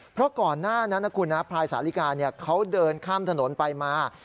เพราะก่อนหน้านั้นนะคุณนะพลายสาลิกาเขาเดินข้ามถนนไปมา